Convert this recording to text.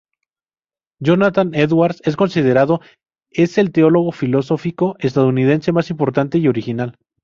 Jonathan Edwards es considerado "es el teólogo filosófico estadounidense más importante y original.